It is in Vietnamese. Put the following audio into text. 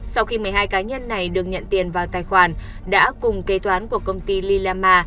sau khi một mươi hai cá nhân này được nhận tiền vào tài khoản đã cùng kế toán của công ty lilama